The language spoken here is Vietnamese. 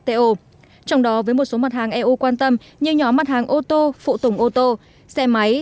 trong đó với một số mặt hàng eu quan tâm như nhóm mặt hàng ô tô phụ tùng ô tô xe máy